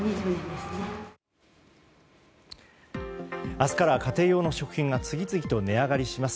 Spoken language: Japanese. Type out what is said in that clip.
明日から家庭用の食品が次々と値上がります。